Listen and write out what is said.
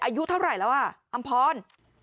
อายุเท่าไหร่แล้วอ่ะอำพร